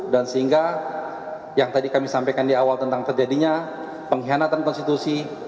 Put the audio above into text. dan sehingga yang tadi kami sampaikan di awal tentang terjadinya pengkhianatan konstitusi